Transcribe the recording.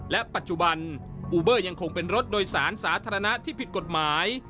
และปัจจุบันอูเบอร์ยังคงเป็นรถโดยสารสาธารณะที่ผิดกฎหมาย